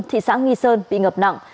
thị xã nghi sơn bị ngập nặng